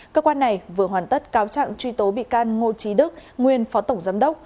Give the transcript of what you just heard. cơ quan này vừa hoàn tất cáo trạng truy tố bị can ngô trí đức nguyên phó tổng giám đốc